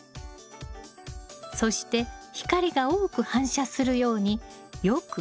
そして光が多く反射するようによくもみます。